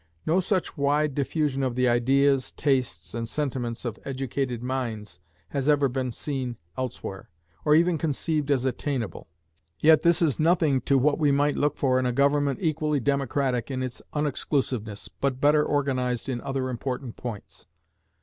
No such wide diffusion of the ideas, tastes, and sentiments of educated minds has ever been seen elsewhere, or even conceived as attainable. Yet this is nothing to what we might look for in a government equally democratic in its unexclusiveness, but better organized in other important points.